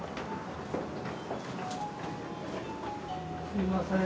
すいません。